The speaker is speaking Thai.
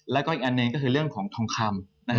และอีกอันนี้ก็คือเลือกของทองครรม